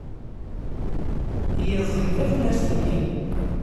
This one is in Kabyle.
Yeẓẓeg tafunast-nni.